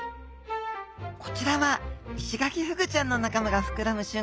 こちらはイシガキフグちゃんの仲間が膨らむ